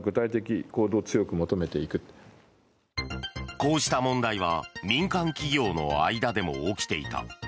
こうした問題は民間企業の間でも起きていた。